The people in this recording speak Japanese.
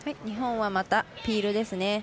日本は、またピールですね。